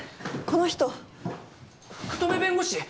この人福留弁護士